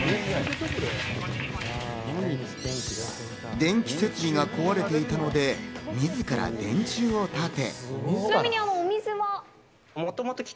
電気設備が壊れていたので、みずから電柱を建て。